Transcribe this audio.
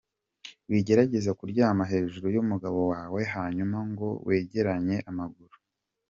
Wigerageza kuryama hejuru y’umugabo wawe hanyuma ngo wegeranye amaguru:.